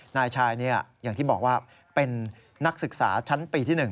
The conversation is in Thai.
นายชายอย่างที่บอกว่าเป็นนักศึกษาชั้นปีที่๑